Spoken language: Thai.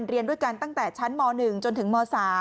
เรียนด้วยกันตั้งแต่ชั้นม๑จนถึงม๓